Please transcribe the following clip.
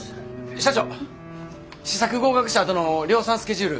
社長試作合格したあとの量産スケジュール